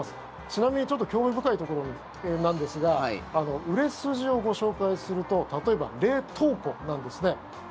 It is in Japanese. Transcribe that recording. ちなみにちょっと興味深いところなんですが売れ筋をご紹介すると例えば冷凍庫なんですね。